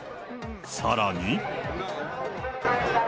さらに。